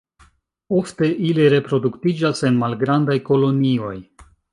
Ofte ili reproduktiĝas en malgrandaj kolonioj.